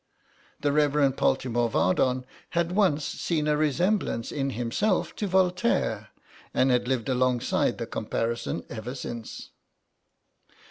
The Rev. Poltimore Vardon had once seen a resemblance in himself to Voltaire, and had lived alongside the comparison ever since.